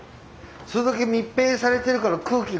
それだけ密閉されているから空気が。